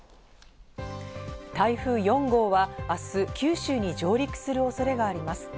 台風４号は明日、九州に上陸する恐れがあります。